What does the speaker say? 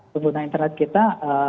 pengguna internet kita